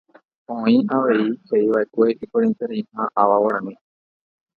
Oĩ avei heʼívaʼekue iporãitereiha ava guarani.